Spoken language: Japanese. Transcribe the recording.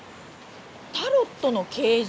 「タロットの啓示」？